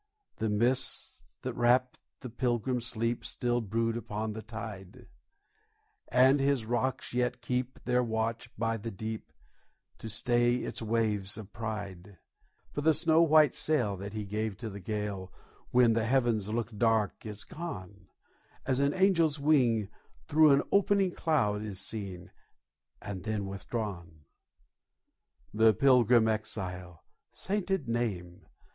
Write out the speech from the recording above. The mists that wrapped the Pilgrim's sleep Still brood upon the tide; And his rocks yet keep their watch by the deep To stay its waves of pride. But the snow white sail that he gave to the gale, When the heavens looked dark, is gone, As an angel's wing through an opening cloud Is seen, and then withdrawn. The pilgrim exile, sainted name!